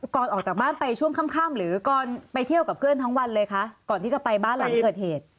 ก่อนออกจากบ้านไปช่วงค่ำหรือก่อนไปเที่ยวกับเพื่อนทั้งวันเลยคะก่อนที่จะไปบ้านหลังเกิดเหตุ